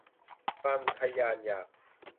ความทะยานอยาก